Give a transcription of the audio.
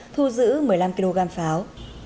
thu giữ một mươi năm kg pháo